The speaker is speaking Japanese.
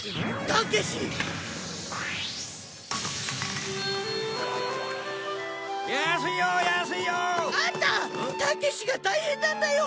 たけしが大変なんだよ！